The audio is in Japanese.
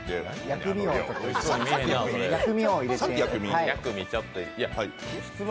薬味を入れて。